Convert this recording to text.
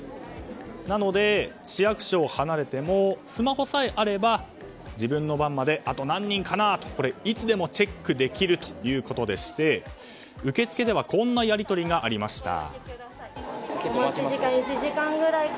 なので、市役所を離れてもスマホさえあれば自分の番まであと何人かなといつでもチェックできるということでして受付ではこんなやり取りがありました。